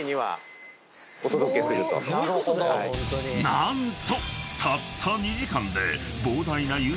［何と］